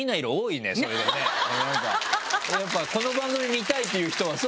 やっぱこの番組見たいっていう人はそうなのかな。